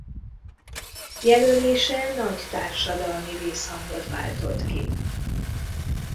Jelölése nagy társadalmi visszhangot váltott ki.